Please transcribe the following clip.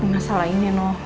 masalah ini noh